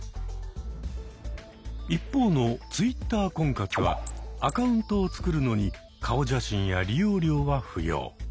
一方のＴｗｉｔｔｅｒ婚活はアカウントを作るのに顔写真や利用料は不要。